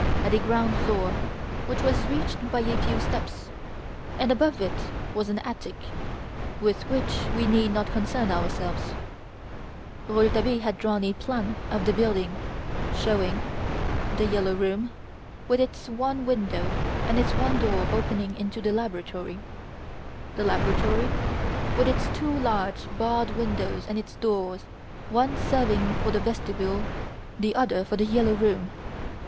It had a ground floor which was reached by a few steps, and above it was an attic, with which we need not concern ourselves. The plan of the ground floor only, sketched roughly, is what I here submit to the reader. 1. "The Yellow Room", with its one window and its one door opening into the laboratory. 2. Laboratory, with its two large, barred windows and its doors, one serving for the vestibule, the other for "The Yellow Room".